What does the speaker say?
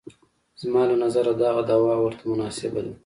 زما له نظره دغه دوا ورته مناسبه ده.